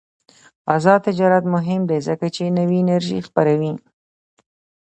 آزاد تجارت مهم دی ځکه چې نوې انرژي خپروي.